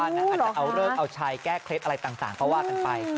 อาจจะเอาเลิกเอาชัยแก้เคล็ดอะไรต่างก็ว่ากันไป